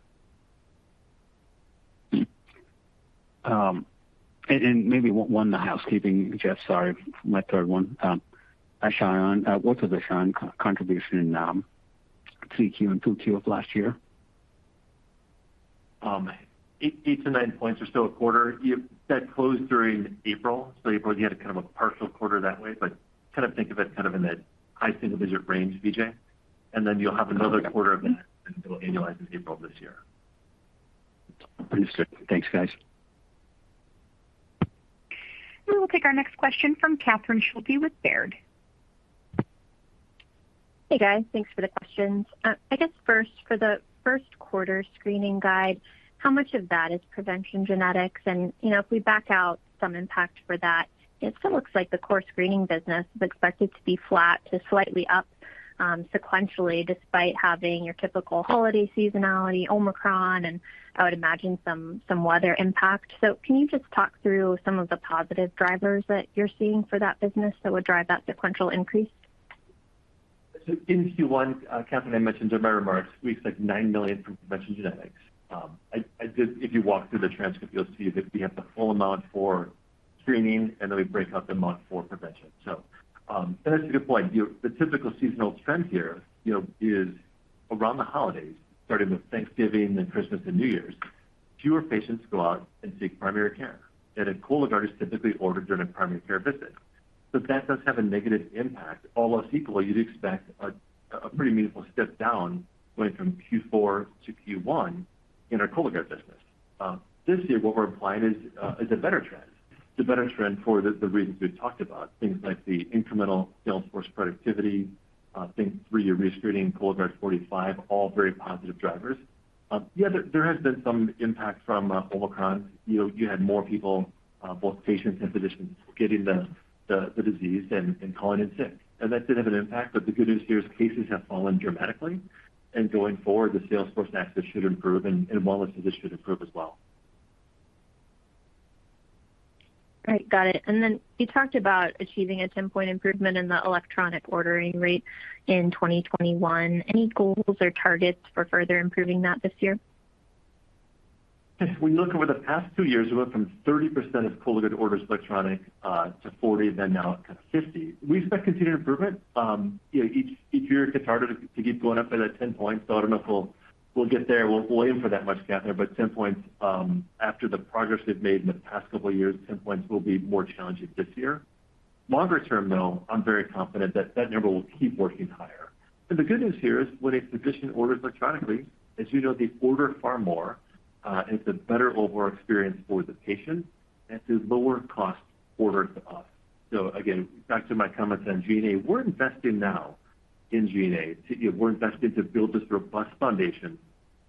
Maybe one housekeeping, Jeff, sorry, my third one. Ashion, what was Ashion contribution in 3Q and 2Q of last year? 8-9 points are still a quarter. That closed during April, so April, you had a kind of a partial quarter that way, but kind of think of it kind of in the high single-digit range, Vijay. Then you'll have another quarter of that, and it will annualize in April of this year. Understood. Thanks, guys. We will take our next question from Catherine Schulte with Baird. Hey, guys. Thanks for the questions. I guess first, for the first quarter screening guide, how much of that is PreventionGenetics? And, you know, if we back out some impact for that, it still looks like the core screening business is expected to be flat to slightly up, sequentially, despite having your typical holiday seasonality, Omicron, and I would imagine some weather impact. Can you just talk through some of the positive drivers that you're seeing for that business that would drive that sequential increase? In Q1, Catherine, I mentioned in my remarks, we expect $9 million from PreventionGenetics. If you walk through the transcript, you'll see that we have the full amount for screening, and then we break out the amount for prevention. That's a good point. The typical seasonal trend here, you know, is around the holidays, starting with Thanksgiving and Christmas and New Year's, fewer patients go out and seek primary care. A Cologuard is typically ordered during a primary care visit. That does have a negative impact, although equally you'd expect a pretty meaningful step down going from Q4 to Q1 in our Cologuard business. This year what we're implying is a better trend. It's a better trend for the reasons we've talked about, things like the incremental sales force productivity. I think three-year rescreening, Cologuard 45, all very positive drivers. Yeah, there has been some impact from Omicron. You know, you had more people both patients and physicians getting the disease and calling in sick. That did have an impact, but the good news here is cases have fallen dramatically. Going forward, the sales force access should improve and physician wellness should improve as well. Right. Got it. You talked about achieving a 10-point improvement in the electronic ordering rate in 2021. Any goals or targets for further improving that this year? Yes. When you look over the past two years, we went from 30% of Cologuard orders electronic to 40, then now to 50. We expect continued improvement. You know, each year it gets harder to keep going up by that 10 points. I don't know if we'll get there. We'll aim for that much, Catherine, but 10 points after the progress we've made in the past couple of years, 10 points will be more challenging this year. Longer term, though, I'm very confident that that number will keep working higher. The good news here is when a physician orders electronically, as you know, they order far more, it's a better overall experience for the patient, and it's a lower cost order to us. Again, back to my comments on G&A, we're investing now in G&A to... You know, we're investing to build this robust foundation,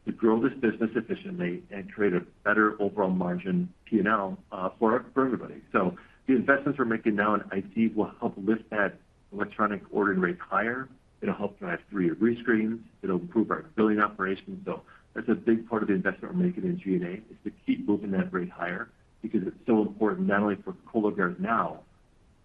to grow this business efficiently and create a better overall margin P&L for everybody. The investments we're making now in IT will help lift that electronic ordering rate higher. It'll help drive three-year rescreens. It'll improve our billing operations. That's a big part of the investment we're making in G&A is to keep moving that rate higher because it's so important not only for Cologuard now,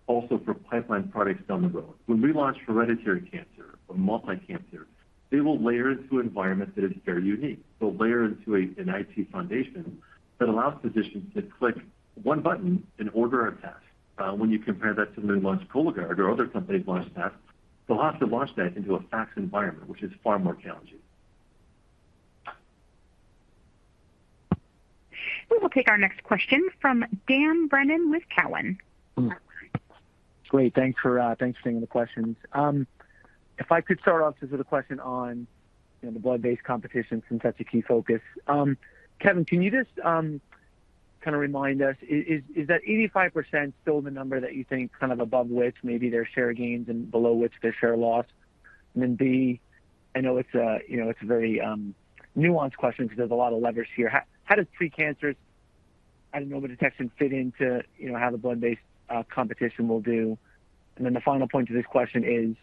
also for pipeline products down the road. When we launch hereditary cancer or multi-cancer, they will layer into an environment that is very unique. They'll layer into an IT foundation that allows physicians to click one button and order a test. When you compare that to when we launched Cologuard or other companies launched tests, they'll have to launch that into a fax environment, which is far more challenging. We will take our next question from Dan Brennan with Cowen. Great. Thanks for taking the questions. If I could start off just with a question on, you know, the blood-based competition since that's a key focus. Kevin, can you just kind of remind us, is that 85% still the number that you think kind of above which maybe there's share gains and below which there's share loss? B, I know it's a, you know, it's a very nuanced question because there's a lot of levers here. How does precancerous adenoma detection fit into, you know, how the blood-based competition will do? And then the final point to this question is,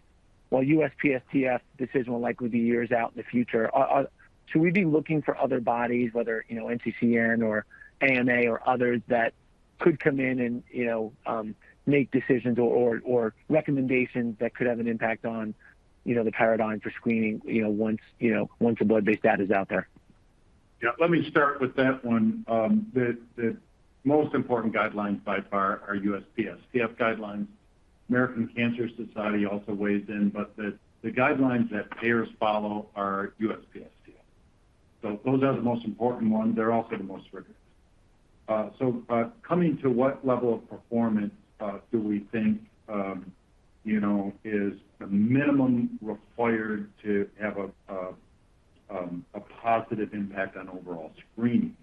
while USPSTF decision will likely be years out in the future, are... Should we be looking for other bodies, whether, you know, NCCN or AMA or others that could come in and, you know, make decisions or recommendations that could have an impact on, you know, the paradigm for screening, you know, once, you know, once a blood-based data is out there? Yeah. Let me start with that one. The most important guidelines by far are USPSTF guidelines. American Cancer Society also weighs in, but the guidelines that payers follow are USPSTF. Those are the most important ones. They're also the most rigorous. Coming to what level of performance do we think you know is the minimum required to have a positive impact on overall screening?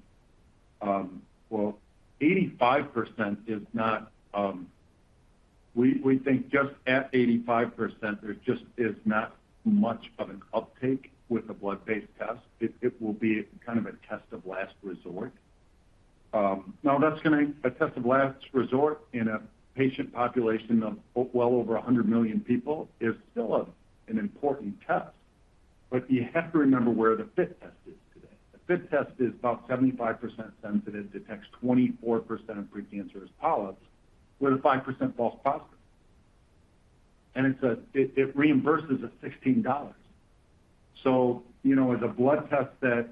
Well, 85% is not. We think just at 85%, there just is not much of an uptake with a blood-based test. It will be kind of a test of last resort. Now that's gonna. A test of last resort in a patient population of well over 100 million people is still an important test. But you have to remember where the FIT test is today. The FIT test is about 75% sensitive, detects 24% of precancerous polyps with a 5% false positive. It reimburses at $16. You know, as a blood test that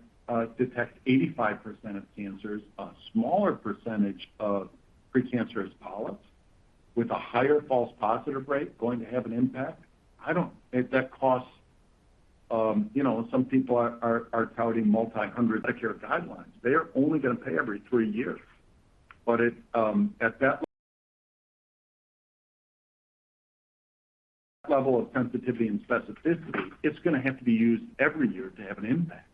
detects 85% of cancers, a smaller percentage of precancerous polyps with a higher false positive rate going to have an impact, I don't. If that costs, you know, some people are touting multi-hundred-dollar guidelines. They are only gonna pay every three years. It, at that level of sensitivity and specificity, it's gonna have to be used every year to have an impact.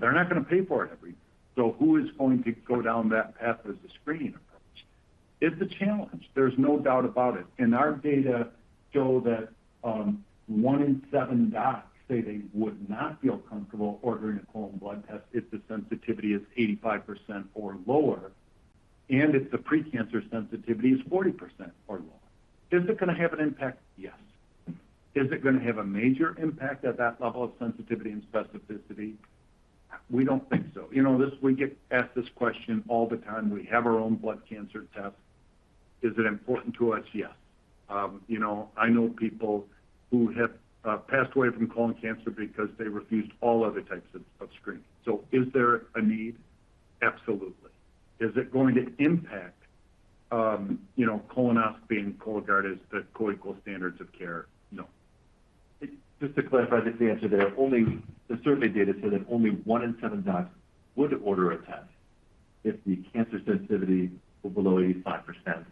They're not gonna pay for it every year. Who is going to go down that path as a screening approach? It's a challenge. There's no doubt about it. Our data show that one in seven docs say they would not feel comfortable ordering a colon blood test if the sensitivity is 85% or lower, and if the precancer sensitivity is 40% or lower. Is it gonna have an impact? Yes. Is it gonna have a major impact at that level of sensitivity and specificity? We don't think so. You know, this. We get asked this question all the time. We have our own blood cancer test. Is it important to us? Yes. You know, I know people who have passed away from colon cancer because they refused all other types of screening. So is there a need? Absolutely. Is it going to impact you know, colonoscopy and Cologuard as the coequal standards of care? No. Just to clarify the answer there, the survey data said that only one in seven docs would order a test if the cancer sensitivity were below 85%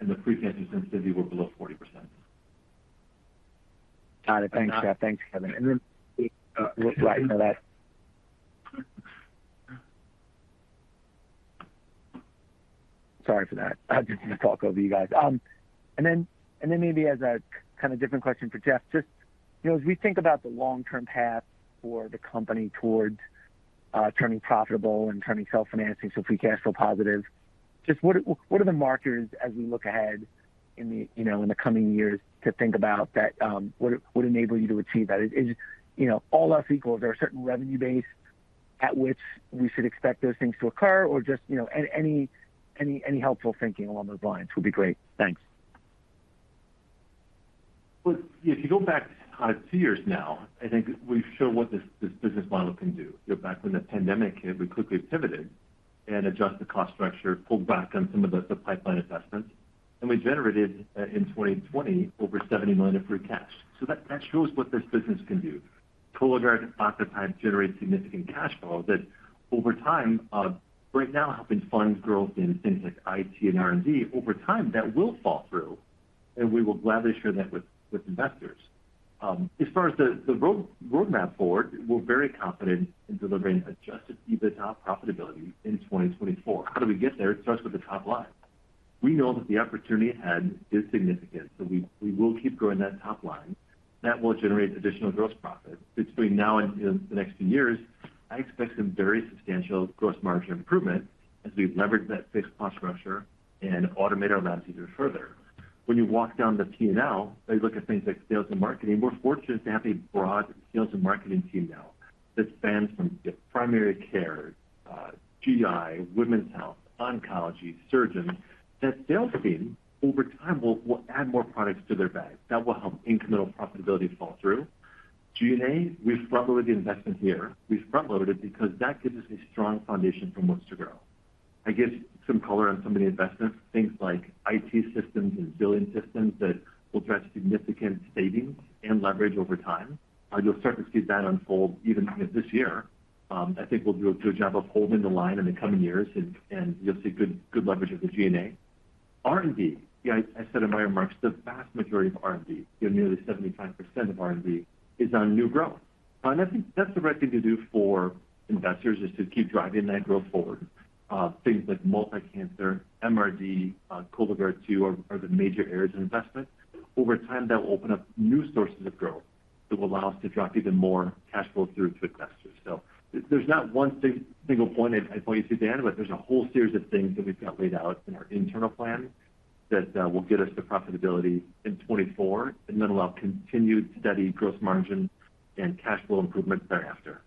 and the precancer sensitivity were below 40%. Got it. Thanks, Jeff. Thanks, Kevin. Sorry for that. I didn't mean to talk over you guys. Maybe as a kind of different question for Jeff, just, you know, as we think about the long-term path for the company towards turning profitable and turning self-financing, so free cash flow positive, just what are the markers as we look ahead in the, you know, in the coming years to think about that, would enable you to achieve that? Is, you know, all else equal, is there a certain revenue base at which we should expect those things to occur? Or just, you know, any helpful thinking along those lines would be great. Thanks. Well, if you go back two years now, I think we've shown what this business model can do. You know, back when the pandemic hit, we quickly pivoted and adjusted cost structure, pulled back on some of the pipeline investments, and we generated in 2020 over $70 million of free cash. That shows what this business can do. Cologuard and Oncotype generate significant cash flows that over time right now helping fund growth in things like IT and R&D. Over time, that will fall through, and we will gladly share that with investors. As far as the roadmap forward, we're very confident in delivering adjusted EBITDA profitability in 2024. How do we get there? It starts with the top line. We know that the opportunity ahead is significant, so we will keep growing that top line. That will generate additional gross profit. Between now and the next few years, I expect some very substantial gross margin improvement as we leverage that fixed cost structure and automate our labs even further. When you walk down the P&L, as you look at things like sales and marketing, we're fortunate to have a broad sales and marketing team now that spans from primary care, GI, women's health, oncology, surgeons. That sales team over time will add more products to their bag. That will help incremental profitability fall through. G&A, we've front-loaded the investment here. We've front-loaded it because that gives us a strong foundation from which to grow. I give some color on some of the investments, things like IT systems and billing systems that will drive significant savings and leverage over time. You'll start to see that unfold even this year. I think we'll do a good job of holding the line in the coming years and you'll see good leverage of the G&A. R&D, you know, I said in my remarks, the vast majority of R&D, you know, nearly 75% of R&D is on new growth. I think that's the right thing to do for investors, is to keep driving that growth forward. Things like multi-cancer, MRD, Cologuard 2.0 are the major areas of investment. Over time, that will open up new sources of growth that will allow us to drive even more cash flow through to investors. There's not one single point I'd point you to, Dan, but there's a whole series of things that we've got laid out in our internal plan that will get us to profitability in 2024 and then allow continued steady gross margin and cash flow improvements thereafter.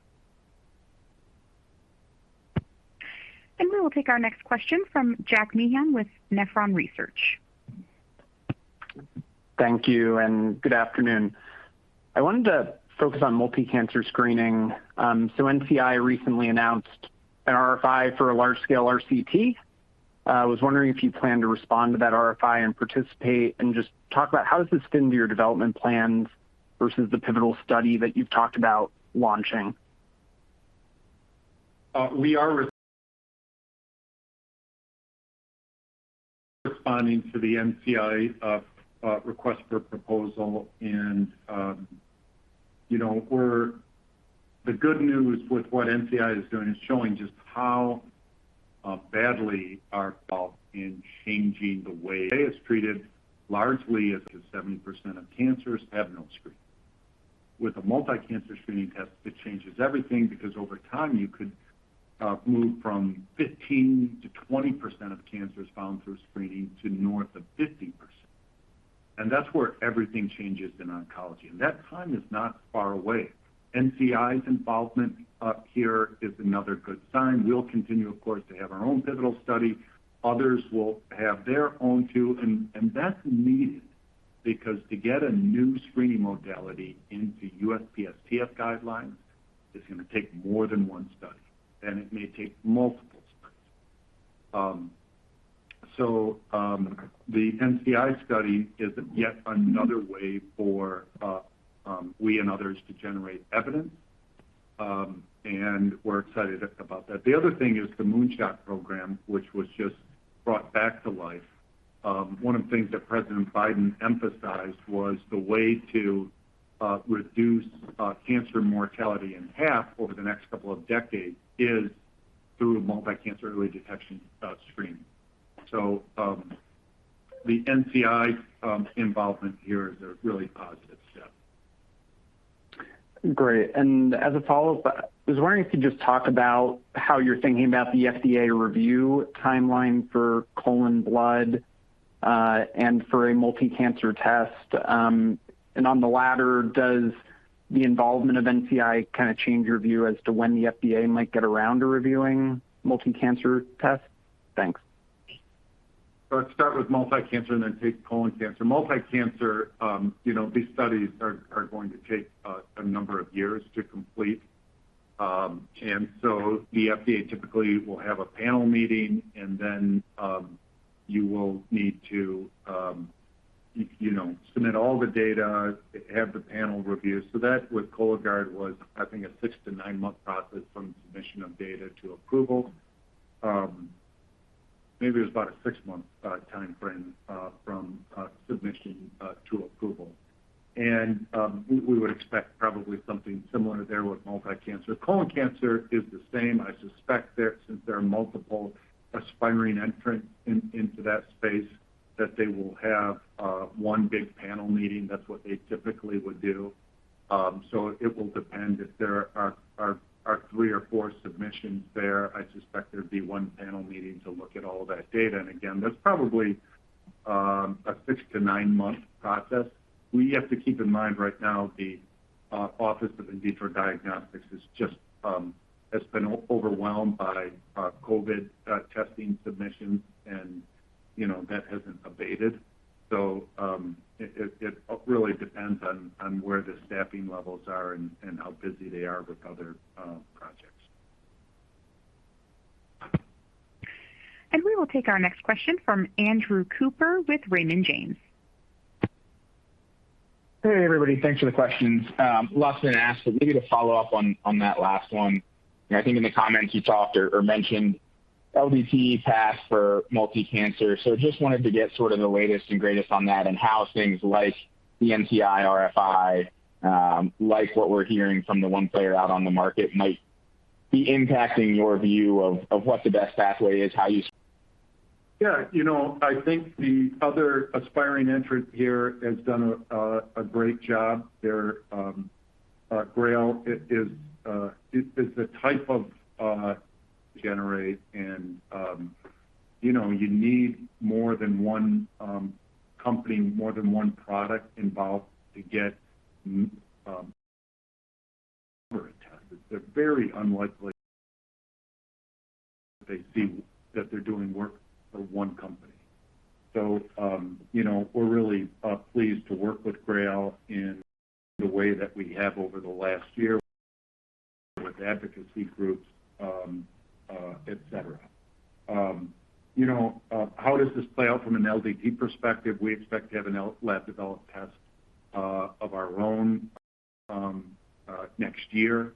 We will take our next question from Jack Meehan with Nephron Research. Thank you, and good afternoon. I wanted to focus on multi-cancer screening. NCI recently announced an RFI for a large-scale RCT. I was wondering if you plan to respond to that RFI and participate, and just talk about how does this fit into your development plans versus the pivotal study that you've talked about launching? We are responding to the NCI request for proposal, and you know, the good news with what NCI is doing is showing just how badly our fault in changing the way it's treated largely is that 70% of cancers have no screen. With a multi-cancer screening test, it changes everything because over time you could move from 15%-20% of cancers found through screening to north of 50%. That's where everything changes in oncology. That time is not far away. NCI's involvement here is another good sign. We'll continue, of course, to have our own pivotal study. Others will have their own too. That's needed because to get a new screening modality into USPSTF guidelines is going to take more than one study, and it may take multiple studies. The NCI study is yet another way for we and others to generate evidence, and we're excited about that. The other thing is the Cancer Moonshot, which was just brought back to life. One of the things that President Biden emphasized was the way to reduce cancer mortality in half over the next couple of decades is through multi-cancer early detection screening. The NCI's involvement here is a really positive step. Great. As a follow-up, I was wondering if you could just talk about how you're thinking about the FDA review timeline for colon blood and for a multi-cancer test. On the latter, does the involvement of NCI kind of change your view as to when the FDA might get around to reviewing multi-cancer tests? Thanks. Let's start with multi-cancer and then take colon cancer. Multi-cancer, you know, these studies are going to take a number of years to complete. The FDA typically will have a panel meeting and then you will need to you know, submit all the data, have the panel review. That with Cologuard was I think a 6- to 9-month process from submission of data to approval. Maybe it was about a 6-month timeframe from submission to approval. We would expect probably something similar there with multi-cancer. Colon cancer is the same. I suspect there, since there are multiple aspiring entrants into that space, that they will have one big panel meeting. That's what they typically would do. It will depend. If there are three or four submissions there, I suspect there'd be one panel meeting to look at all that data. Again, that's probably a six to nine-month process. We have to keep in mind right now the Office of In Vitro Diagnostics is just has been overwhelmed by COVID testing submissions and, you know, that hasn't abated. It really depends on where the staffing levels are and how busy they are with other projects. We will take our next question from Andrew Cooper with Raymond James. Hey, everybody. Thanks for the questions. A lot's been asked, but maybe to follow up on that last one, and I think in the comments you talked or mentioned LDT paths for multi-cancer. Just wanted to get sort of the latest and greatest on that and how things like the NCI RFI, like what we're hearing from the one player out on the market might be impacting your view of what the best pathway is, how you- Yeah. You know, I think the other aspiring entrant here has done a great job. GRAIL is the type of, you know, you need more than one company, more than one product involved to get coverage tested. They're very unlikely they see that they're doing work for one company. You know, we're really pleased to work with GRAIL in the way that we have over the last year with advocacy groups, et cetera. You know, how does this play out from an LDT perspective? We expect to have a lab-developed test of our own next year.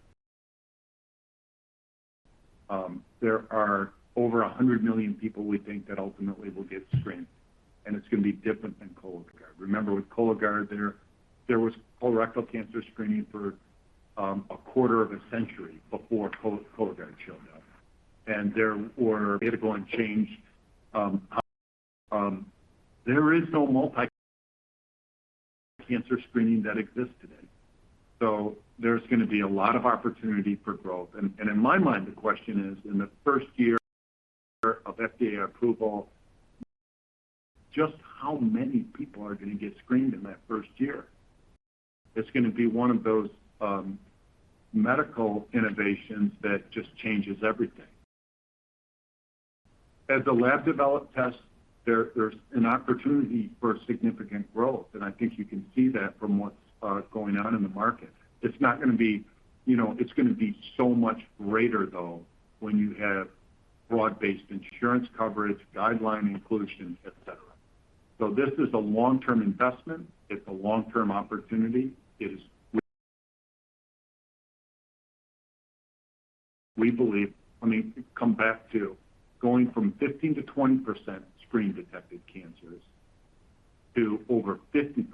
There are over 100 million people we think that ultimately will get screened, and it's gonna be different than Cologuard. Remember, with Cologuard, there was colorectal cancer screening for a quarter of a century before Cologuard showed up. There is no multi-cancer screening that exists today. There's gonna be a lot of opportunity for growth. In my mind, the question is, in the first year of FDA approval, just how many people are gonna get screened in that first year? It's gonna be one of those medical innovations that just changes everything. As a lab-developed test, there's an opportunity for significant growth, and I think you can see that from what's going on in the market. You know, it's gonna be so much greater though when you have broad-based insurance coverage, guideline inclusion, et cetera. This is a long-term investment. It's a long-term opportunity. I mean, come back to going from 15%-20% screen-detected cancers to over 50%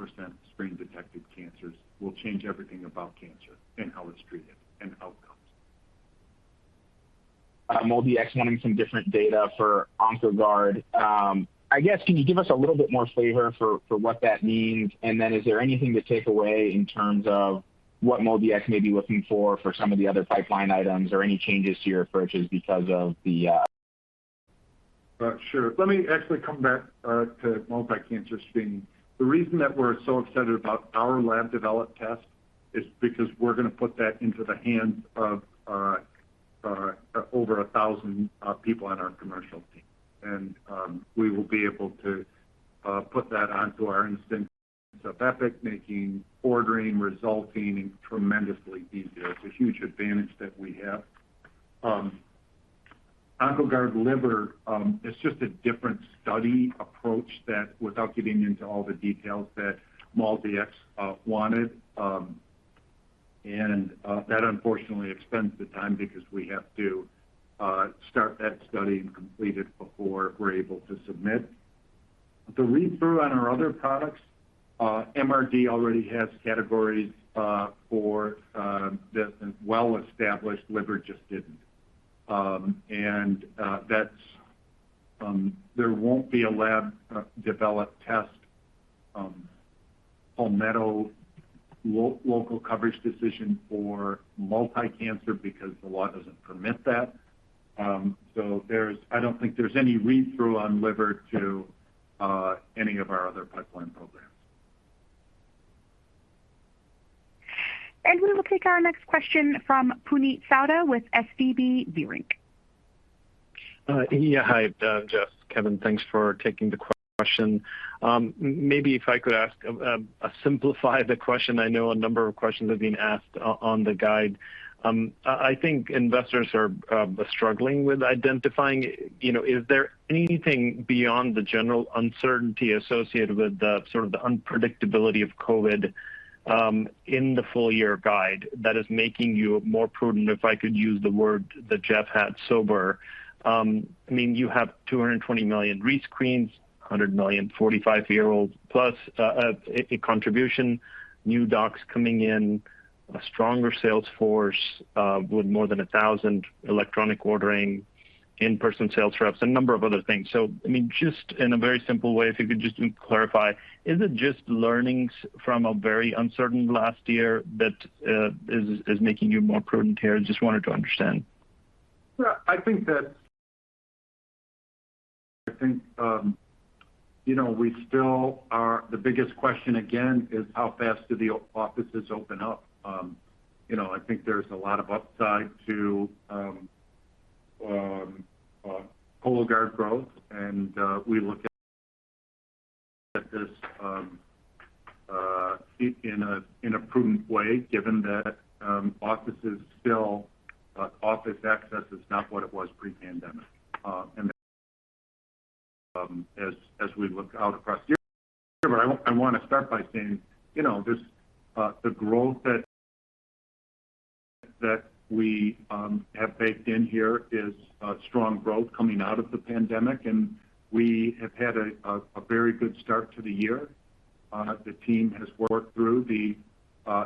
screen-detected cancers will change everything about cancer and how it's treated and outcomes. MolDX wanting some different data for Oncoguard Liver. I guess, can you give us a little bit more flavor for what that means? Is there anything to take away in terms of what MolDX may be looking for some of the other pipeline items or any changes to your approaches because of the Sure. Let me actually come back to multi-cancer screening. The reason that we're so excited about our lab-developed test is because we're gonna put that into the hands of over 1,000 people on our commercial team. We will be able to put that onto our instance of Epic, making ordering, resulting tremendously easier. It's a huge advantage that we have. Oncoguard Liver is just a different study approach that, without getting into all the details, MolDX wanted. That unfortunately extends the time because we have to start that study and complete it before we're able to submit. The read-through on our other products, MRD already has categories for that well-established liver just didn't. there won't be a lab developed test Palmetto local coverage decision for multi-cancer because the law doesn't permit that. I don't think there's any read-through on liver to any of our other pipeline programs. We will take our next question from Puneet Souda with SVB Leerink. Yeah. Hi, Jeff, Kevin. Thanks for taking the question. Maybe if I could ask to simplify the question. I know a number of questions have been asked on the guide. I think investors are struggling with identifying, you know, is there anything beyond the general uncertainty associated with the sort of unpredictability of COVID in the full-year guide that is making you more prudent, if I could use the word that Jeff had, sober? I mean, you have 220 million rescreens, 100 million 45-year-olds plus, a contribution, new docs coming in, a stronger sales force with more than 1,000 electronic ordering in-person sales reps, a number of other things. I mean, just in a very simple way, if you could just clarify, is it just learnings from a very uncertain last year that is making you more prudent here? Just wanted to understand. I think you know we still are, the biggest question again is how fast do the offices open up? You know, I think there's a lot of upside to Cologuard growth, and we look at this in a prudent way, given that office access still is not what it was pre-pandemic. As we look out across here, but I wanna start by saying, you know, the growth that we have baked in here is strong growth coming out of the pandemic, and we have had a very good start to the year. The team has worked through the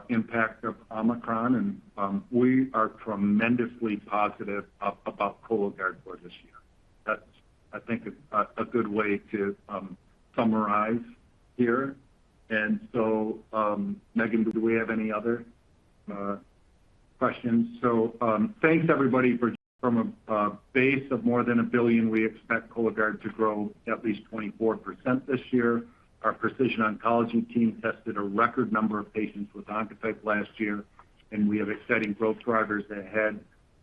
impact of Omicron, and we are tremendously positive about Cologuard for this year. That's, I think, a good way to summarize here. Megan, do we have any other questions? Thanks, everybody. From a base of more than $1 billion, we expect Cologuard to grow at least 24% this year. Our precision oncology team tested a record number of patients with Oncotype last year, and we have exciting growth drivers ahead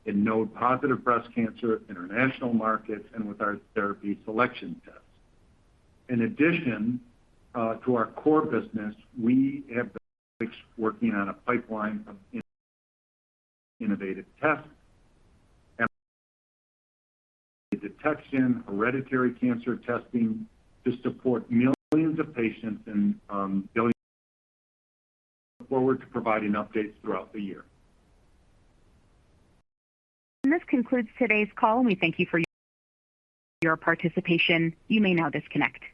in node-positive breast cancer, international markets, and with our therapy selection tests. In addition to our core business, we have been working on a pipeline of innovative tests and detection, hereditary cancer testing to support millions of patients and billions. Look forward to providing updates throughout the year. This concludes today's call. We thank you for your participation. You may now disconnect.